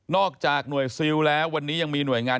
อกจากหน่วยซิลแล้ววันนี้ยังมีหน่วยงาน